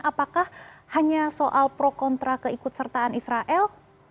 apakah hanya soal pro kontra keikutsertaan israel